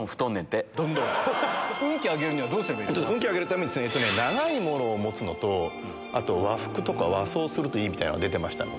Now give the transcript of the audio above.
うん気を上げるにはどうすれ運気を上げるために長いものを持つのと、あと和服とか、和装するといいみたいなのが出てましたので。